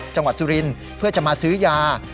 จังหวัดสุรินทร์เพื่อจะมาซื้อยา